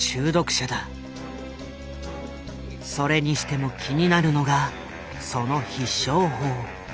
それにしても気になるのがその必勝法。